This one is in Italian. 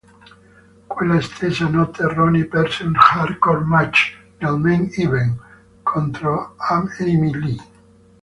Quella stessa notte Roni perse un Hardcore Match nel main event, contro Amy Lee.